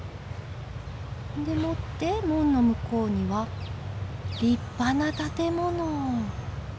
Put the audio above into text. でもって門の向こうには立派な建物。